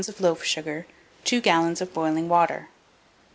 of loaf sugar, 2 gallons of boiling water.